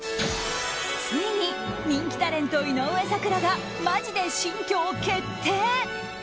ついに人気タレント井上咲楽がマジで新居を決定。